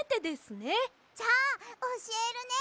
じゃあおしえるね！